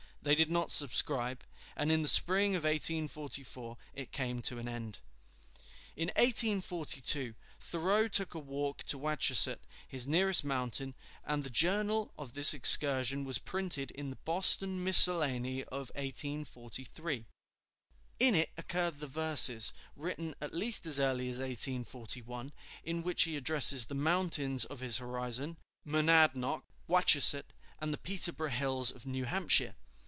They did not subscribe, and in the spring of 1844 it came to an end. In 1842 Thoreau took a walk to Wachusett, his nearest mountain, and the journal of this excursion was printed in the "Boston Miscellany" of 1843. In it occurred the verses, written at least as early as 1841, in which he addresses the mountains of his horizon, Monadnoc, Wachusett, and the Peterborough Hills of New Hampshire.